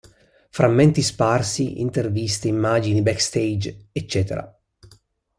Frammenti Sparsi Interviste, immagini backstage etc.